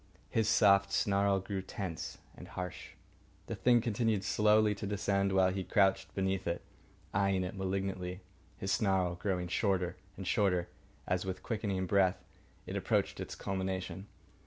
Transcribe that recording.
His soft snarl grew tense and harsh. The hand continued slowly to descend, while he crouched beneath it, eyeing it malignantly, his snarl growing shorter and shorter as, with quickening breath, it approached its culmination.